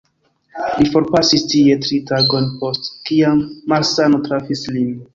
Li forpasis tie, tri tagojn post kiam malsano trafis lin.